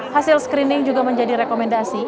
hasil screening juga menjadi rekomendasi